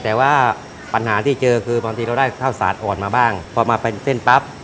แต่ว่าปัญหาที่เจอคือบางทีเราได้ข้าวสาดอ่อนมาบ้างพอมาเป็นเส้นปั๊บ